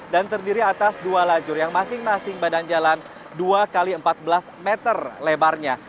terdiri atas dua lajur yang masing masing badan jalan dua x empat belas meter lebarnya